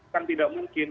kan tidak mungkin